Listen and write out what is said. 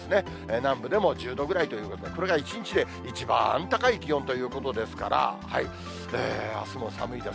南部でも１０度ぐらいということで、これが一日で一番高い気温ということですから、あすも寒いです。